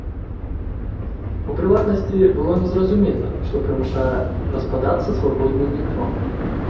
У прыватнасці, было незразумела, што прымушае распадацца свабодны нейтрон.